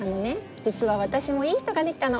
実は私もいい人ができたの